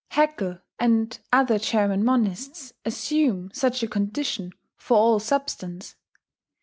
Haeckel and other German monists assume such a condition for all substance.